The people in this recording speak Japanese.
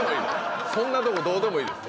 そんなとこどうでもいいです。